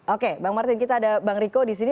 oke bang martin kita ada bang riko di sini